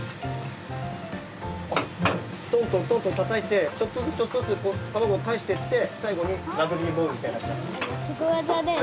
トントントントンたたいてちょっとずつちょっとずつたまごをかえしてってさいごにラグビーボールみたいな形に。